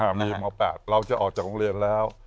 มีม๘เราจะออกจากโรงเรียนแล้ว